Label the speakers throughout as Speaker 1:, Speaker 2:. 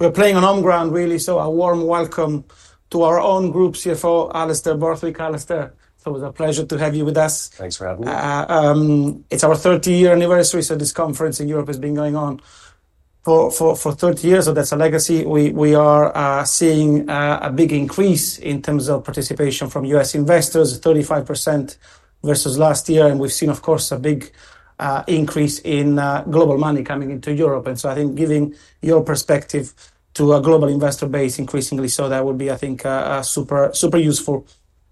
Speaker 1: We're playing on our own ground, really. A warm welcome to our own group CFO Alastair Borthwick. Alastair, it's always a pleasure to have you with us.
Speaker 2: Thanks for having me.
Speaker 1: It's our 30-year anniversary. This conference in Europe has been going on for 30 years. That's a legacy. We are seeing a big increase in terms of participation from U.S. investors, 35% versus last year. We've seen, of course, a big increase in global money coming into Europe. I think giving your perspective to a global investor base increasingly so, that would be, I think, super useful.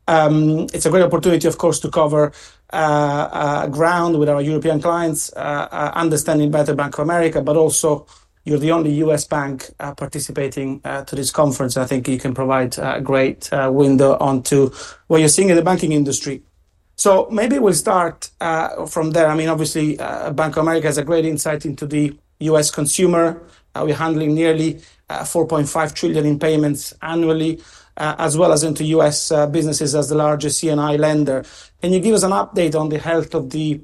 Speaker 1: It's a great opportunity, of course, to cover ground with our European clients, understanding better Bank of America, but also you're the only U.S. bank participating in this conference. I think you can provide a great window onto what you're seeing in the banking industry. Maybe we'll start from there. Obviously, Bank of America has a great insight into the U.S. consumer. We're handling nearly $4.5 trillion in payments annually, as well as into U.S. businesses as the largest CNI lender. Can you give us an update on the health of the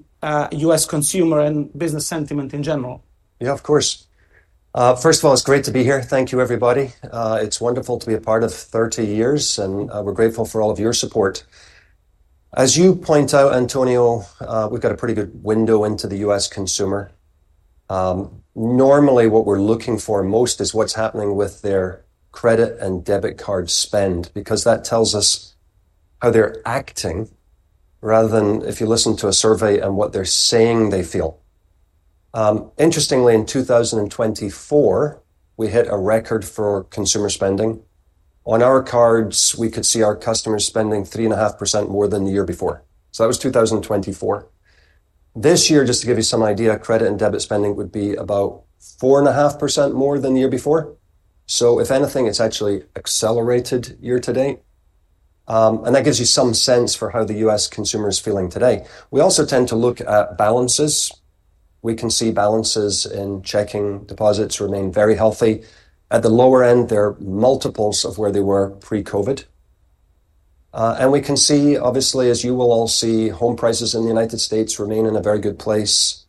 Speaker 1: U.S. consumer and business sentiment in general?
Speaker 2: Yeah, of course. First of all, it's great to be here. Thank you, everybody. It's wonderful to be a part of 30 years. We're grateful for all of your support. As you point out, Antonio, we've got a pretty good window into the U.S. consumer. Normally, what we're looking for most is what's happening with their credit and debit card spend, because that tells us how they're acting rather than if you listen to a survey and what they're saying they feel. Interestingly, in 2024, we hit a record for consumer spending. On our cards, we could see our customers spending 3.5% more than the year before. That was 2024. This year, just to give you some idea, credit and debit spending would be about 4.5% more than the year before. If anything, it's actually accelerated year to date. That gives you some sense for how the U.S. consumer is feeling today. We also tend to look at balances. We can see balances in checking deposits remain very healthy. At the lower end, they're multiples of where they were pre-COVID. We can see, obviously, as you will all see, home prices in the United States remain in a very good place.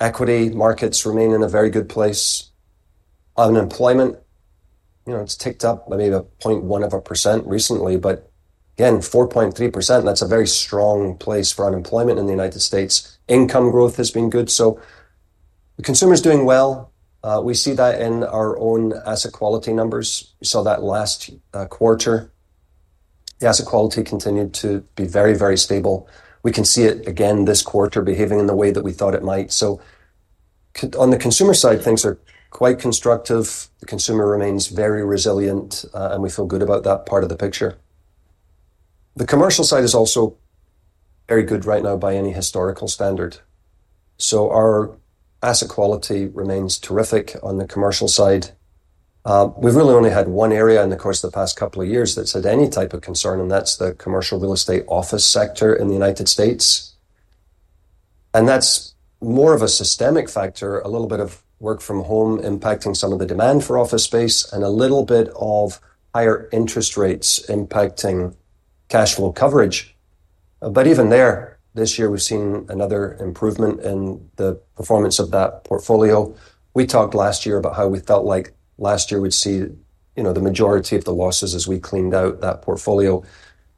Speaker 2: Equity markets remain in a very good place. Unemployment, you know, it's ticked up maybe 0.1% recently, but again, 4.3%. That's a very strong place for unemployment in the United States. Income growth has been good. The consumer is doing well. We see that in our own asset quality numbers. We saw that last quarter. The asset quality continued to be very, very stable. We can see it again this quarter behaving in the way that we thought it might. On the consumer side, things are quite constructive. The consumer remains very resilient. We feel good about that part of the picture. The commercial side is also very good right now by any historical standard. Our asset quality remains terrific on the commercial side. We've really only had one area in the course of the past couple of years that's had any type of concern. That's the commercial real estate office sector in the United States. That's more of a systemic factor, a little bit of work from home impacting some of the demand for office space and a little bit of higher interest rates impacting cash flow coverage. Even there, this year, we've seen another improvement in the performance of that portfolio. We talked last year about how we felt like last year we'd see the majority of the losses as we cleaned out that portfolio.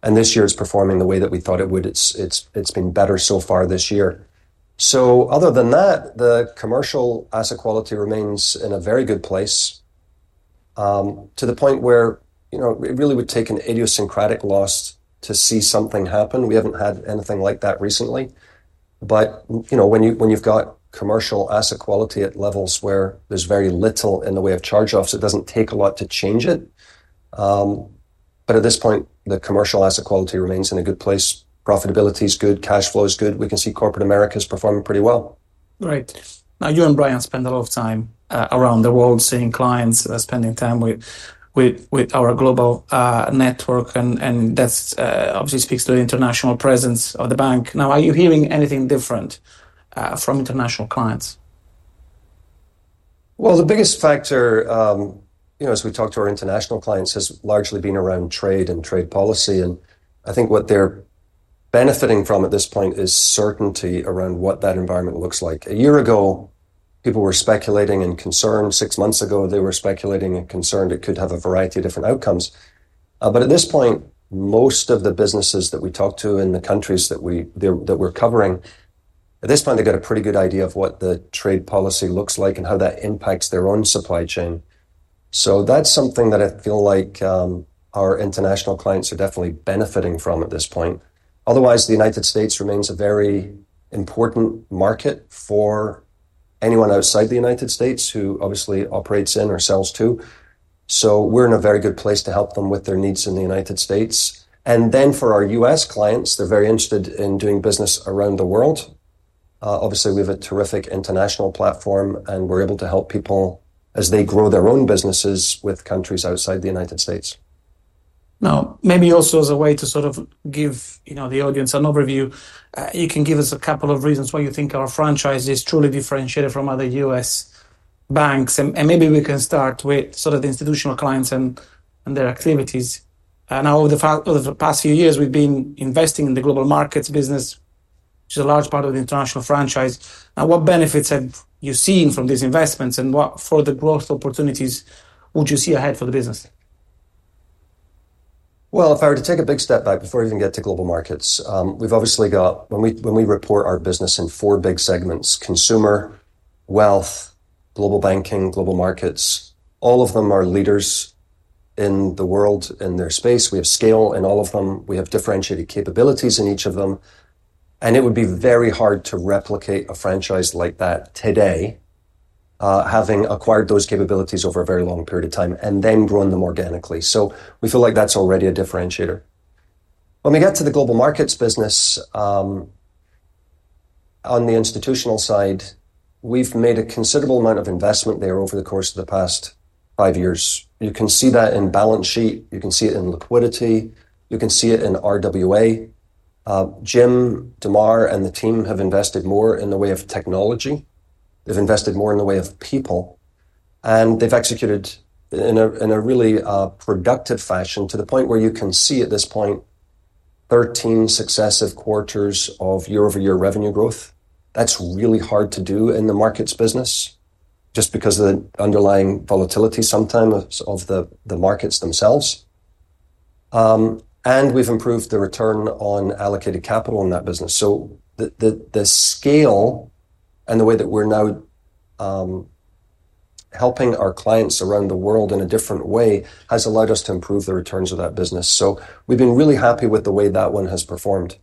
Speaker 2: This year is performing the way that we thought it would. It's been better so far this year. Other than that, the commercial asset quality remains in a very good place to the point where it really would take an idiosyncratic loss to see something happen. We haven't had anything like that recently. When you've got commercial asset quality at levels where there's very little in the way of charge-offs, it doesn't take a lot to change it. At this point, the commercial asset quality remains in a good place. Profitability is good. Cash flow is good. We can see corporate America is performing pretty well.
Speaker 1: Right. Now, you and Brian spend a lot of time around the world seeing clients, spending time with our global network. That obviously speaks to the international presence of the bank. Are you hearing anything different from international clients?
Speaker 2: The biggest factor, you know, as we talk to our international clients, has largely been around trade and trade policy. I think what they're benefiting from at this point is certainty around what that environment looks like. A year ago, people were speculating and concerned. Six months ago, they were speculating and concerned it could have a variety of different outcomes. At this point, most of the businesses that we talk to in the countries that we're covering, they've got a pretty good idea of what the trade policy looks like and how that impacts their own supply chain. That's something that I feel like our international clients are definitely benefiting from at this point. Otherwise, the United States remains a very important market for anyone outside the United States who obviously operates in or sells to. We're in a very good place to help them with their needs in the United States. For our U.S. clients, they're very interested in doing business around the world. Obviously, we have a terrific international platform, and we're able to help people as they grow their own businesses with countries outside the United States.
Speaker 1: Now, maybe also as a way to sort of give the audience an overview, you can give us a couple of reasons why you think our franchise is truly differentiated from other U.S. banks. Maybe we can start with sort of the institutional clients and their activities. Over the past few years, we've been investing in the global markets business, which is a large part of the international franchise. What benefits have you seen from these investments? What further growth opportunities would you see ahead for the business?
Speaker 2: If I were to take a big step back before we even get to global markets, we've obviously got, when we report our business, four big segments: consumer, wealth, global banking, global markets. All of them are leaders in the world in their space. We have scale in all of them. We have differentiated capabilities in each of them. It would be very hard to replicate a franchise like that today, having acquired those capabilities over a very long period of time and then grown them organically. We feel like that's already a differentiator. When we get to the global markets business on the institutional side, we've made a considerable amount of investment there over the course of the past five years. You can see that in balance sheet. You can see it in liquidity. You can see it in RWA. Jim DeMare and the team have invested more in the way of technology. They've invested more in the way of people. They've executed in a really productive fashion to the point where you can see at this point 13 successive quarters of year-over-year revenue growth. That's really hard to do in the markets business just because of the underlying volatility sometimes of the markets themselves. We've improved the return on allocated capital in that business. The scale and the way that we're now helping our clients around the world in a different way has allowed us to improve the returns of that business. We've been really happy with the way that one has performed.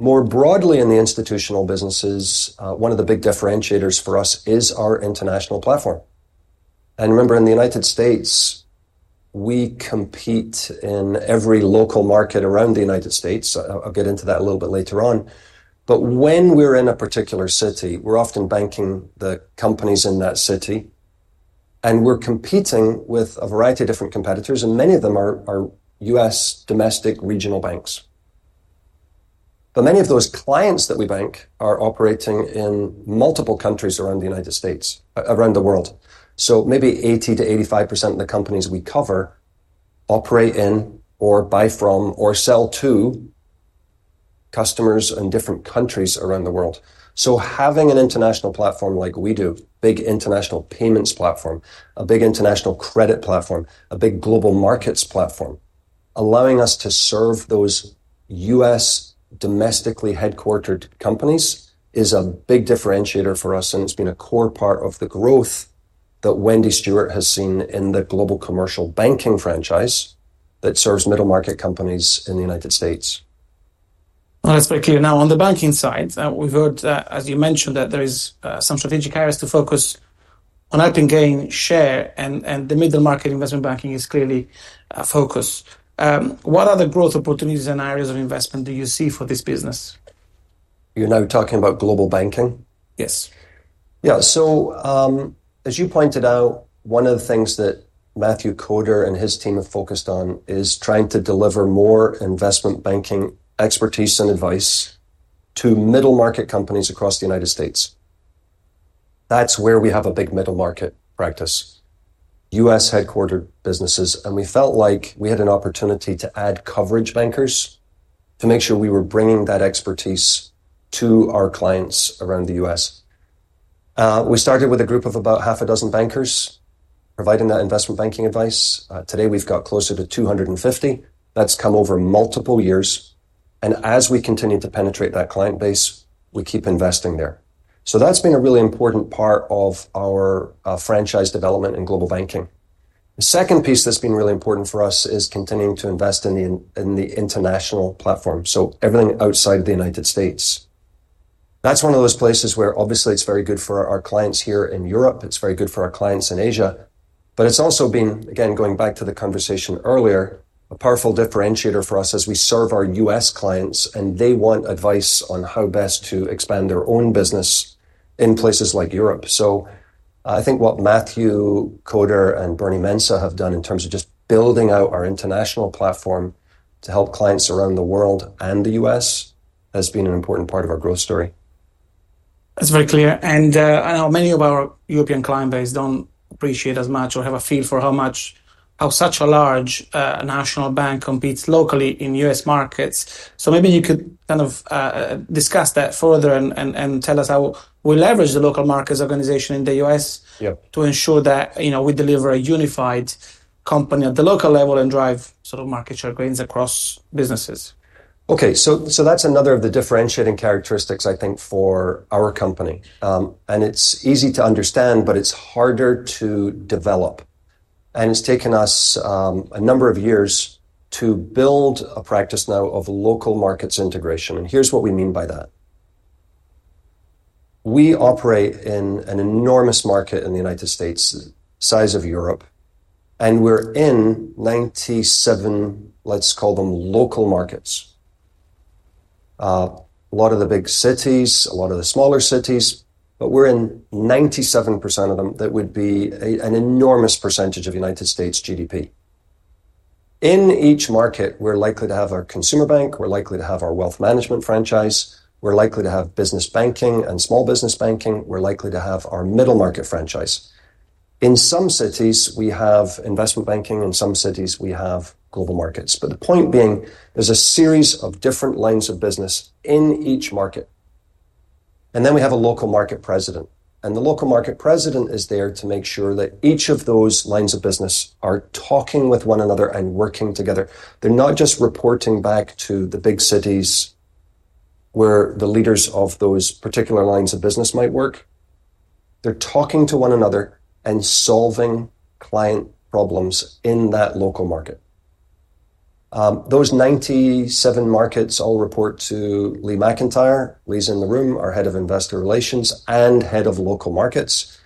Speaker 2: More broadly in the institutional businesses, one of the big differentiators for us is our international platform. Remember, in the United States, we compete in every local market around the United States. I'll get into that a little bit later on. When we're in a particular city, we're often banking the companies in that city. We're competing with a variety of different competitors. Many of them are U.S. domestic regional banks. Many of those clients that we bank are operating in multiple countries around the United States, around the world. Maybe 80%-85% of the companies we cover operate in or buy from or sell to customers in different countries around the world. Having an international platform like we do, a big international payments platform, a big international credit platform, a big global markets platform, allowing us to serve those U.S. domestically headquartered companies is a big differentiator for us. It's been a core part of the growth that Wendy Stewart has seen in the global commercial banking franchise that serves middle-market companies in the United States.
Speaker 1: That's very clear. On the banking side, we've heard, as you mentioned, that there are some strategic areas to focus on helping gain share. The middle-market investment banking is clearly a focus. What other growth opportunities and areas of investment do you see for this business?
Speaker 2: You're now talking about Global Banking?
Speaker 1: Yes.
Speaker 2: Yeah. As you pointed out, one of the things that Matthew Koder and his team have focused on is trying to deliver more investment banking expertise and advice to middle-market companies across the United States. That's where we have a big middle-market practice, U.S. headquartered businesses. We felt like we had an opportunity to add coverage bankers to make sure we were bringing that expertise to our clients around the U.S. We started with a group of about half a dozen bankers providing that investment banking advice. Today, we've got closer to 250. That's come over multiple years. As we continue to penetrate that client base, we keep investing there. That's been a really important part of our franchise development in Global Banking. The second piece that's been really important for us is continuing to invest in the international platform, everything outside of the United States. That's one of those places where obviously it's very good for our clients here in Europe. It's very good for our clients in Asia. It's also been, going back to the conversation earlier, a powerful differentiator for us as we serve our U.S. clients. They want advice on how best to expand their own business in places like Europe. I think what Matthew Koder and Bernard Mensah have done in terms of just building out our international platform to help clients around the world and the U.S. has been an important part of our growth story.
Speaker 1: That's very clear. I know many of our European client base don't appreciate as much or have a feel for how much such a large national bank competes locally in U.S. markets. Maybe you could discuss that further and tell us how we leverage the local markets organization in the U.S. to ensure that we deliver a unified company at the local level and drive sort of market share gains across businesses.
Speaker 2: OK, so that's another of the differentiating characteristics, I think, for our company. It's easy to understand, but it's harder to develop. It's taken us a number of years to build a practice now of local markets integration. Here's what we mean by that. We operate in an enormous market in the United States, the size of Europe. We're in 97, let's call them, local markets, a lot of the big cities, a lot of the smaller cities. We're in 97% of them. That would be an enormous percentage of the United States GDP. In each market, we're likely to have our consumer bank, our wealth management franchise, business banking and small business banking, and our middle-market franchise. In some cities, we have investment banking. In some cities, we have global markets. The point being, there's a series of different lines of business in each market. We have a local market President. The local market President is there to make sure that each of those lines of business are talking with one another and working together. They're not just reporting back to the big cities where the leaders of those particular lines of business might work. They're talking to one another and solving client problems in that local market. Those 97 markets all report to Lee McEntire, Lee's in the room, our Head of Investor Relations and Head of Local Markets.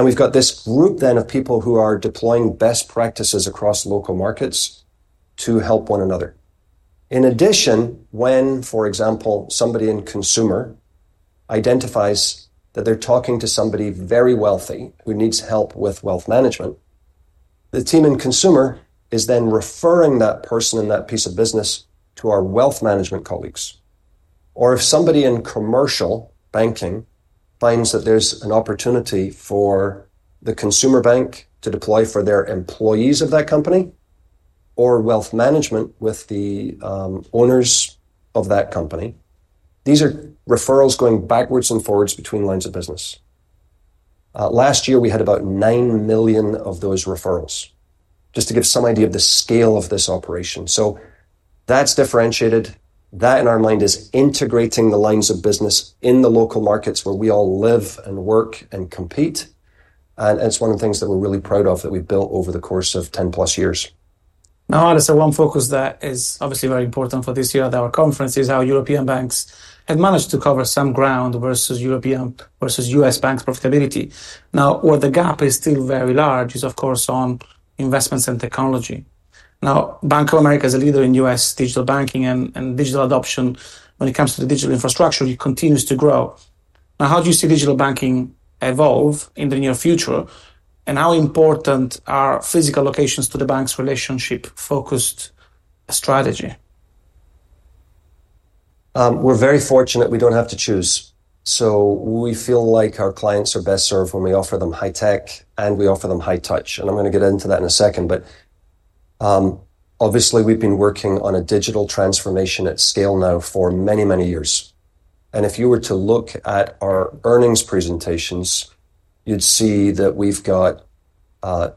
Speaker 2: We've got this group then of people who are deploying best practices across local markets to help one another. In addition, when, for example, somebody in consumer identifies that they're talking to somebody very wealthy who needs help with wealth management, the team in consumer is then referring that person and that piece of business to our wealth management colleagues. If somebody in commercial banking finds that there's an opportunity for the consumer bank to deploy for their employees of that company or wealth management with the owners of that company, these are referrals going backwards and forwards between lines of business. Last year, we had about 9 million of those referrals, just to give some idea of the scale of this operation. That's differentiated. That, in our mind, is integrating the lines of business in the local markets where we all live and work and compete. It's one of the things that we're really proud of that we built over the course of 10+ years.
Speaker 1: Now, Alastair, one focus that is obviously very important for this year at our conference is how European banks have managed to cover some ground versus European versus U.S. banks' profitability. Where the gap is still very large is, of course, on investments in technology. Bank of America is a leader in U.S. digital banking and digital adoption. When it comes to the digital infrastructure, it continues to grow. How do you see digital banking evolve in the near future? How important are physical locations to the bank's relationship-focused strategy?
Speaker 2: We're very fortunate we don't have to choose. We feel like our clients are best served when we offer them high tech, and we offer them high touch. I'm going to get into that in a second. Obviously, we've been working on a digital transformation at scale now for many, many years. If you were to look at our earnings presentations, you'd see that we've got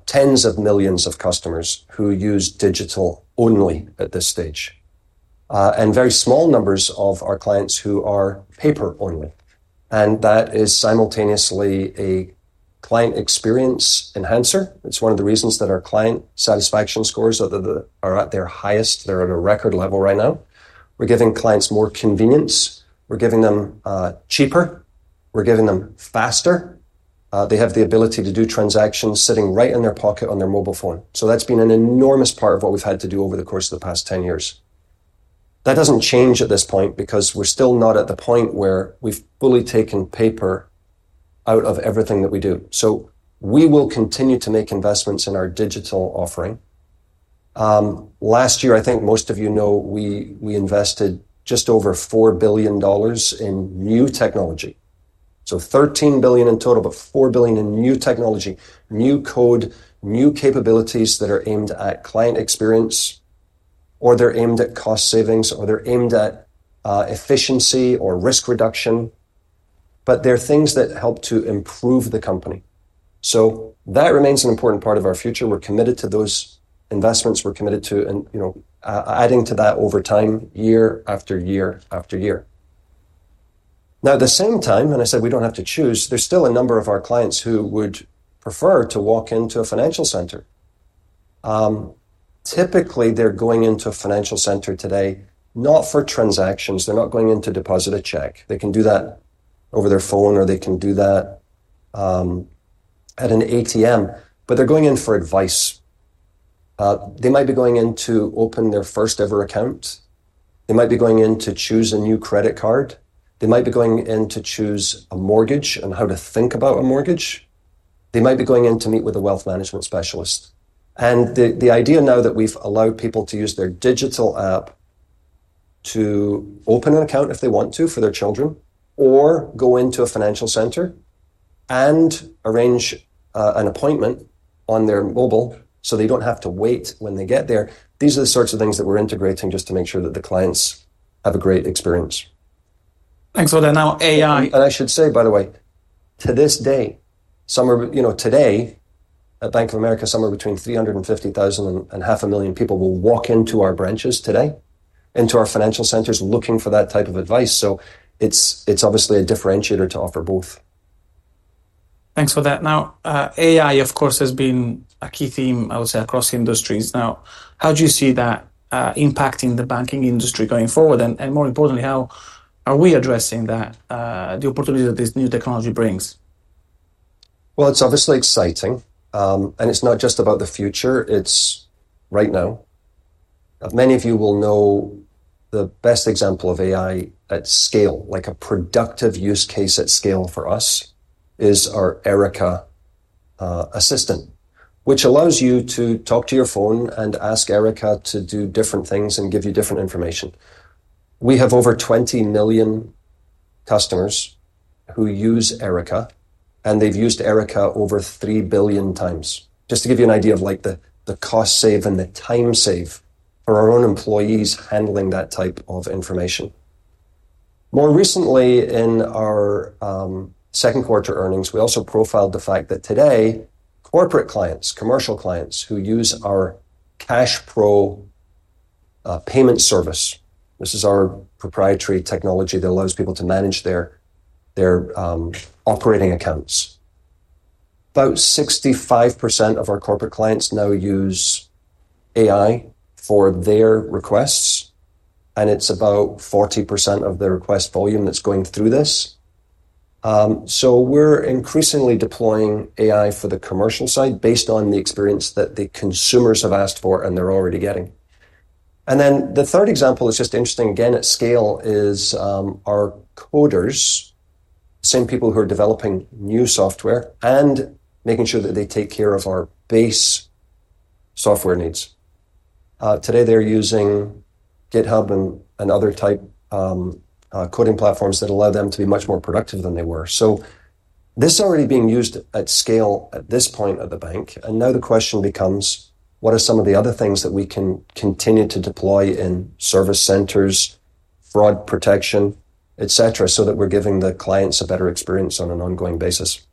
Speaker 2: tens of millions of customers who use digital only at this stage and very small numbers of our clients who are paper only. That is simultaneously a client experience enhancer. It's one of the reasons that our client satisfaction scores are at their highest. They're at a record level right now. We're giving clients more convenience. We're giving them cheaper. We're giving them faster. They have the ability to do transactions sitting right in their pocket on their mobile phone. That's been an enormous part of what we've had to do over the course of the past 10 years. That doesn't change at this point because we're still not at the point where we've fully taken paper out of everything that we do. We will continue to make investments in our digital offering. Last year, I think most of you know, we invested just over $4 billion in new technology, so $13 billion in total, but $4 billion in new technology, new code, new capabilities that are aimed at client experience, or they're aimed at cost savings, or they're aimed at efficiency or risk reduction. They're things that help to improve the company. That remains an important part of our future. We're committed to those investments. We're committed to, you know, adding to that over time, year after year after year. At the same time, and I said we don't have to choose, there's still a number of our clients who would prefer to walk into a financial center. Typically, they're going into a financial center today not for transactions. They're not going in to deposit a check. They can do that over their phone, or they can do that at an ATM. They're going in for advice. They might be going in to open their first-ever account. They might be going in to choose a new credit card. They might be going in to choose a mortgage and how to think about a mortgage. They might be going in to meet with a wealth management specialist. The idea now that we've allowed people to use their digital app to open an account if they want to for their children or go into a financial center and arrange an appointment on their mobile so they don't have to wait when they get there, these are the sorts of things that we're integrating just to make sure that the clients have a great experience.
Speaker 1: Thanks for that. Now, AI.
Speaker 2: I should say, by the way, to this day, somewhere, you know, today, at Bank of America, somewhere between 350,000 and 500,000 people will walk into our branches today, into our financial centers, looking for that type of advice. It's obviously a differentiator to offer both.
Speaker 1: Thanks for that. Now, AI, of course, has been a key theme, I would say, across industries. How do you see that impacting the banking industry going forward? More importantly, how are we addressing the opportunity that this new technology brings?
Speaker 2: It's obviously exciting. It's not just about the future. It's right now. Many of you will know the best example of AI at scale, like a productive use case at scale for us, is our Erica assistant, which allows you to talk to your phone and ask Erica to do different things and give you different information. We have over 20 million customers who use Erica, and they've used Erica over 3 billion times, just to give you an idea of the cost save and the time save for our own employees handling that type of information. More recently, in our second quarter earnings, we also profiled the fact that today, corporate clients, commercial clients who use our CashPro payment service—this is our proprietary technology that allows people to manage their operating accounts—about 65% of our corporate clients now use AI for their requests. It's about 40% of the request volume that's going through this. We're increasingly deploying AI for the commercial side based on the experience that the consumers have asked for and they're already getting. The third example is just interesting, again, at scale, is our coders, the same people who are developing new software and making sure that they take care of our base software needs. Today, they're using GitHub and other type coding platforms that allow them to be much more productive than they were. This is already being used at scale at this point at the bank. Now the question becomes, what are some of the other things that we can continue to deploy in service centers, fraud protection, etc., so that we're giving the clients a better experience on an ongoing basis?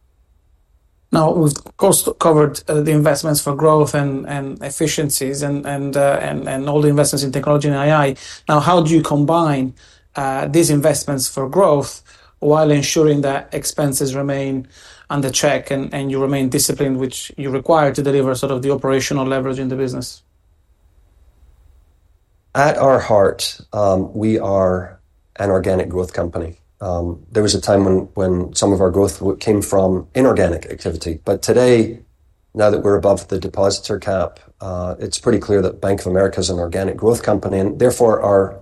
Speaker 1: Now, we've of course covered the investments for growth and efficiencies and all the investments in technology and AI. How do you combine these investments for growth while ensuring that expenses remain under check and you remain disciplined, which you require to deliver sort of the operational leverage in the business?
Speaker 2: At our heart, we are an organic growth company. There was a time when some of our growth came from inorganic activity. Today, now that we're above the depositor cap, it's pretty clear that Bank of America is an organic growth company. Therefore, our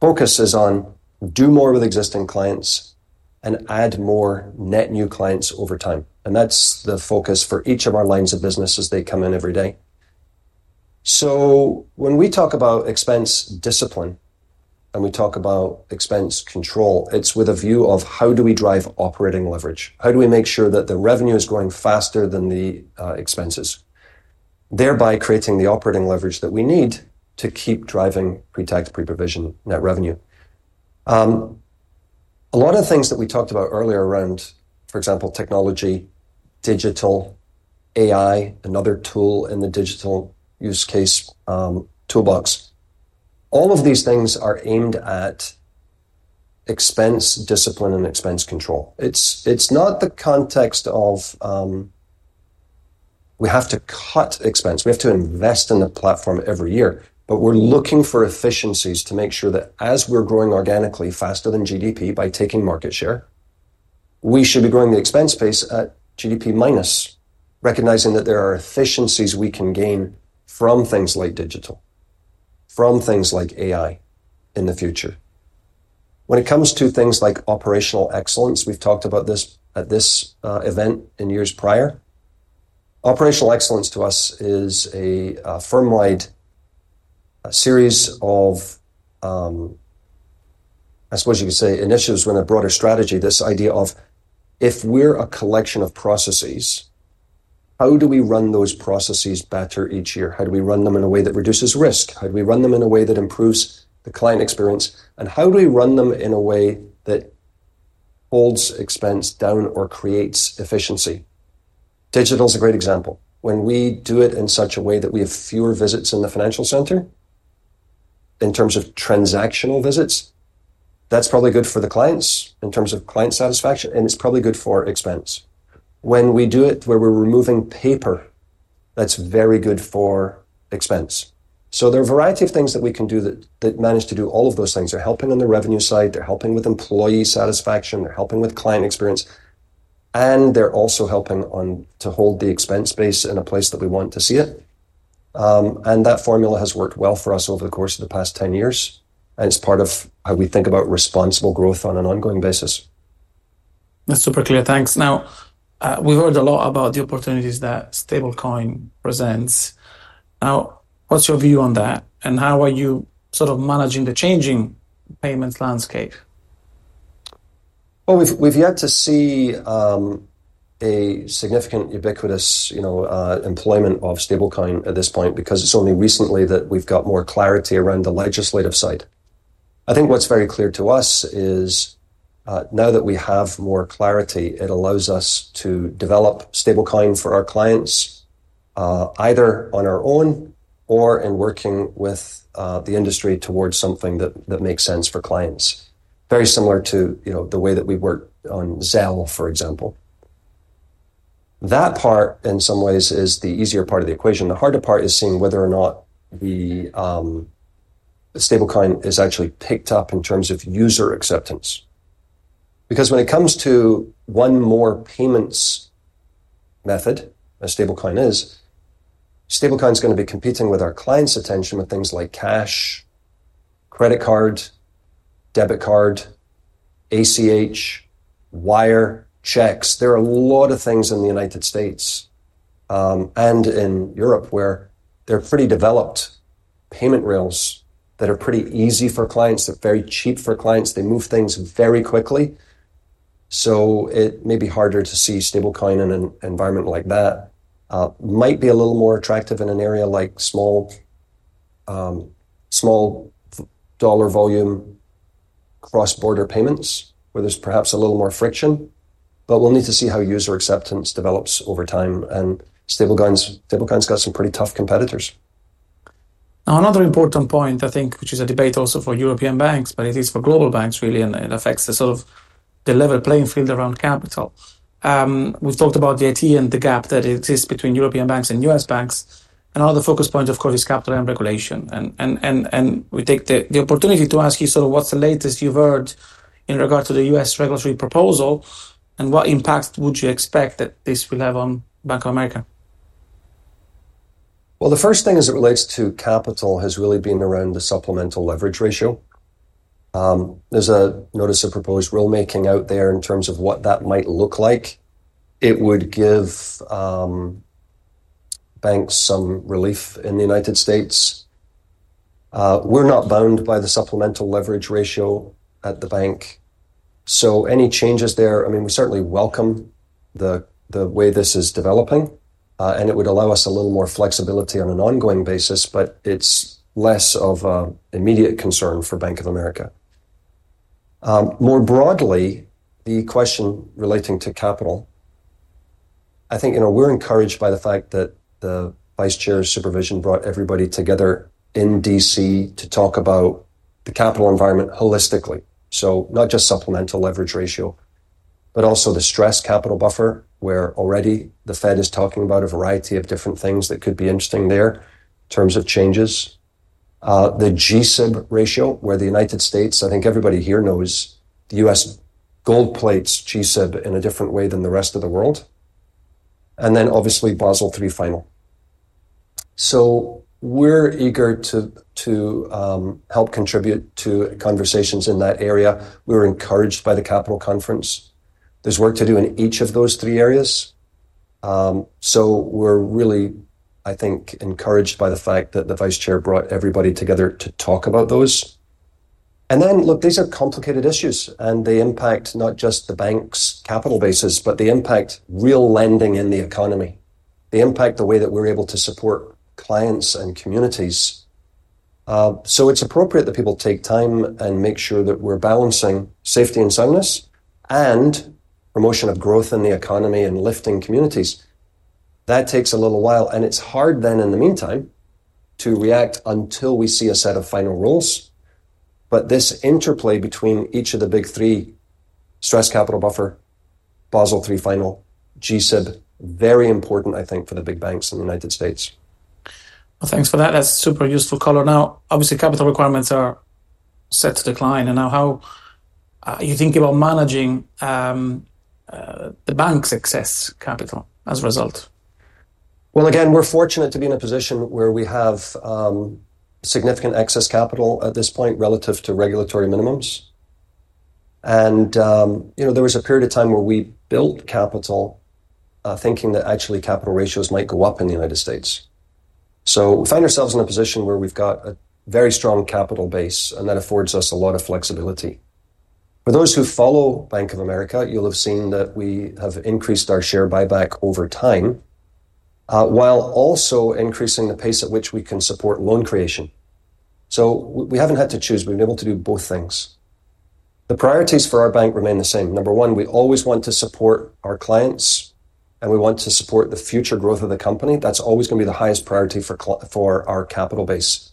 Speaker 2: focus is on do more with existing clients and add more net new clients over time. That's the focus for each of our lines of business as they come in every day. When we talk about expense discipline and we talk about expense control, it's with a view of how do we drive operating leverage? How do we make sure that the revenue is growing faster than the expenses, thereby creating the operating leverage that we need to keep driving pre-tax, pre-provision net revenue? A lot of the things that we talked about earlier around, for example, technology, digital, AI, another tool in the digital use case toolbox, all of these things are aimed at expense discipline and expense control. It's not the context of we have to cut expense. We have to invest in the platform every year. We're looking for efficiencies to make sure that as we're growing organically faster than GDP by taking market share, we should be growing the expense base at GDP minus, recognizing that there are efficiencies we can gain from things like digital, from things like AI in the future. When it comes to things like operational excellence, we've talked about this at this event in years prior. Operational excellence to us is a firm-led series of, I suppose you could say, initiatives in a broader strategy, this idea of if we're a collection of processes, how do we run those processes better each year? How do we run them in a way that reduces risk? How do we run them in a way that improves the client experience? How do we run them in a way that holds expense down or creates efficiency? Digital is a great example. When we do it in such a way that we have fewer visits in the financial center in terms of transactional visits, that's probably good for the clients in terms of client satisfaction. It's probably good for expense. When we do it where we're removing paper, that's very good for expense. There are a variety of things that we can do that manage to do all of those things. They're helping on the revenue side. They're helping with employee satisfaction. They're helping with client experience. They're also helping to hold the expense base in a place that we want to see it. That formula has worked well for us over the course of the past 10 years. It's part of how we think about responsible growth on an ongoing basis.
Speaker 1: That's super clear. Thanks. Now, we've heard a lot about the opportunities that stablecoin presents. What's your view on that? How are you sort of managing the changing payments landscape?
Speaker 2: We've yet to see a significant, ubiquitous employment of stablecoin at this point because it's only recently that we've got more clarity around the legislative side. I think what's very clear to us is now that we have more clarity, it allows us to develop stablecoin for our clients either on our own or in working with the industry towards something that makes sense for clients, very similar to the way that we work on Zelle, for example. That part, in some ways, is the easier part of the equation. The harder part is seeing whether or not the stablecoin is actually picked up in terms of user acceptance. Because when it comes to one more payments method, a stablecoin is going to be competing with our clients' attention with things like cash, credit card, debit card, ACH, wire, checks. There are a lot of things in the United States and in Europe where they're pretty developed payment rails that are pretty easy for clients. They're very cheap for clients. They move things very quickly. It may be harder to see stablecoin in an environment like that. It might be a little more attractive in an area like small dollar volume cross-border payments where there's perhaps a little more friction. We'll need to see how user acceptance develops over time. Stablecoin's got some pretty tough competitors.
Speaker 1: Now, another important point, I think, which is a debate also for European banks, but it is for global banks, really. It affects the sort of level playing field around capital. We've talked about the IT and the gap that exists between European banks and U.S. banks. Another focus point, of course, is capital and regulation. We take the opportunity to ask you sort of what's the latest you've heard in regard to the U.S. regulatory proposal and what impact would you expect that this will have on Bank of America?
Speaker 2: The first thing as it relates to capital has really been around the supplemental leverage ratio. There's a notice of proposed rulemaking out there in terms of what that might look like. It would give banks some relief in the United States. We're not bound by the supplemental leverage ratio at the bank, so any changes there, we certainly welcome the way this is developing. It would allow us a little more flexibility on an ongoing basis, but it's less of an immediate concern for Bank of America. More broadly, the question relating to capital, I think we're encouraged by the fact that the Vice Chair's supervision brought everybody together in D.C. to talk about the capital environment holistically, not just supplemental leverage ratio, but also the stress capital buffer, where already the Fed is talking about a variety of different things that could be interesting there in terms of changes. The G-SIB ratio, where the United States, I think everybody here knows, the U.S. gold plates G-SIB in a different way than the rest of the world, and then obviously Basel III final. We're eager to help contribute to conversations in that area. We're encouraged by the Capital Conference. There's work to do in each of those three areas. We're really, I think, encouraged by the fact that the Vice Chair brought everybody together to talk about those. These are complicated issues, and they impact not just the banks' capital bases, but they impact real lending in the economy. They impact the way that we're able to support clients and communities. It's appropriate that people take time and make sure that we're balancing safety and soundness and promotion of growth in the economy and lifting communities. That takes a little while, and it's hard then, in the meantime, to react until we see a set of final rules. This interplay between each of the big three: stress capital buffer, Basel III final, G-SIB, is very important, I think, for the big banks in the United States.
Speaker 1: Thanks for that. That's super useful color. Now, obviously, capital requirements are set to decline. How are you thinking about managing the bank's excess capital as a result?
Speaker 2: We're fortunate to be in a position where we have significant excess capital at this point relative to regulatory minimums. There was a period of time where we built capital thinking that actually capital ratios might go up in the United States. We find ourselves in a position where we've got a very strong capital base, and that affords us a lot of flexibility. For those who follow Bank of America, you'll have seen that we have increased our share buyback over time while also increasing the pace at which we can support loan creation. We haven't had to choose. We've been able to do both things. The priorities for our bank remain the same. Number one, we always want to support our clients, and we want to support the future growth of the company. That's always going to be the highest priority for our capital base.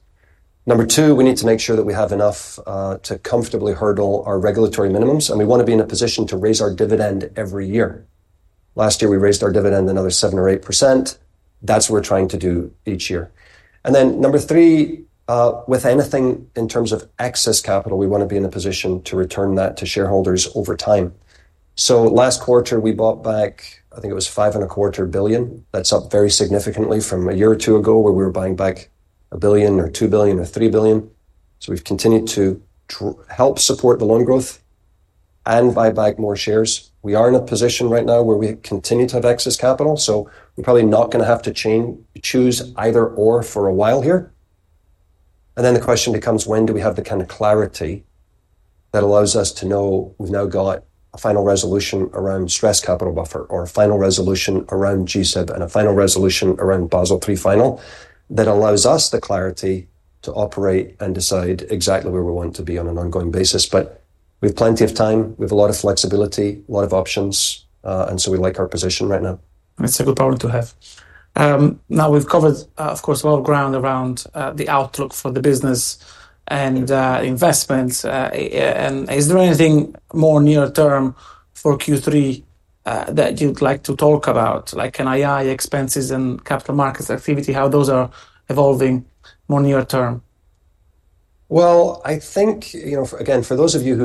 Speaker 2: Number two, we need to make sure that we have enough to comfortably hurdle our regulatory minimums, and we want to be in a position to raise our dividend every year. Last year, we raised our dividend another 7% or 8%. That's what we're trying to do each year. Number three, with anything in terms of excess capital, we want to be in a position to return that to shareholders over time. Last quarter, we bought back, I think it was $5.25 billion. That's up very significantly from a year or two ago where we were buying back $1 billion or $2 billion or $3 billion. We've continued to help support the loan growth and buy back more shares. We are in a position right now where we continue to have excess capital. We're probably not going to have to choose either/or for a while here. The question becomes, when do we have the kind of clarity that allows us to know we've now got a final resolution around stress capital buffer or a final resolution around G-SIB and a final resolution around Basel III final that allows us the clarity to operate and decide exactly where we want to be on an ongoing basis. We have plenty of time. We have a lot of flexibility, a lot of options, and we like our position right now.
Speaker 1: That's a good problem to have. We've covered, of course, a lot of ground around the outlook for the business and investments. Is there anything more near-term for Q3 that you'd like to talk about, like in AI, expenses, and capital markets activity, how those are evolving more near-term?
Speaker 2: I think, you know, again, for those of you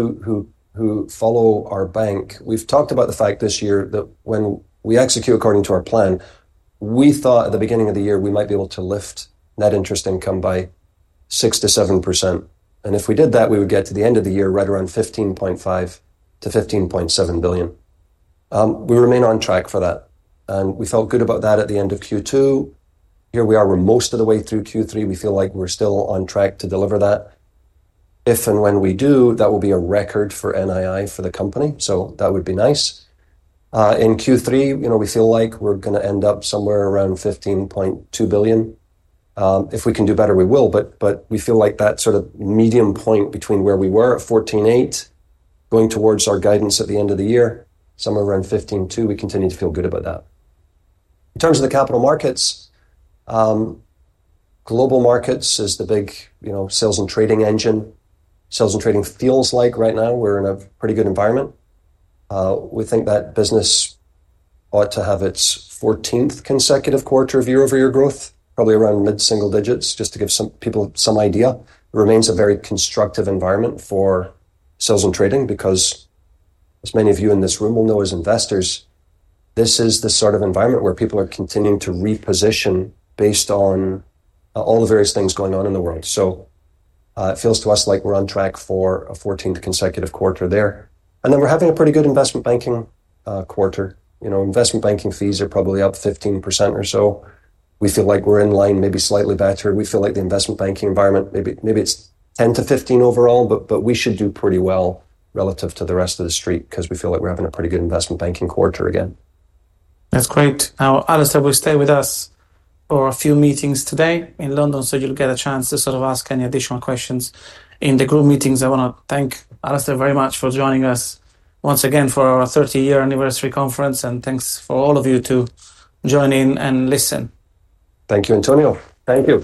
Speaker 2: who follow our bank, we've talked about the fact this year that when we execute according to our plan, we thought at the beginning of the year, we might be able to lift net interest income by 6%-7%. If we did that, we would get to the end of the year right around $15.5 billion-$15.7 billion. We remain on track for that, and we felt good about that at the end of Q2. Here we are, we're most of the way through Q3. We feel like we're still on track to deliver that. If and when we do, that will be a record for NII for the company. That would be nice. In Q3, you know, we feel like we're going to end up somewhere around $15.2 billion. If we can do better, we will, but we feel like that sort of medium point between where we were at $14.8 billion going towards our guidance at the end of the year, somewhere around $15.2 billion we continue to feel good about that. In terms of the capital markets, global markets is the big, you know, sales and trading engine. Sales and trading feels like right now we're in a pretty good environment. We think that business ought to have its 14th consecutive quarter of year-over-year growth, probably around mid-single digits, just to give some people some idea. It remains a very constructive environment for sales and trading because, as many of you in this room will know as investors, this is the sort of environment where people are continuing to reposition based on all the various things going on in the world. It feels to us like we're on track for a 14th consecutive quarter there. We're having a pretty good investment banking quarter. Investment banking fees are probably up 15% or so. We feel like we're in line, maybe slightly better. We feel like the investment banking environment, maybe it's 10%-15% overall. We should do pretty well relative to the rest of the street because we feel like we're having a pretty good investment banking quarter again.
Speaker 1: That's great. Now, Alastair, will you stay with us for a few meetings today in London so you'll get a chance to sort of ask any additional questions in the group meetings? I want to thank Alastair very much for joining us once again for our 30-year anniversary conference. Thanks for all of you to join in and listen.
Speaker 2: Thank you, Antonio. Thank you.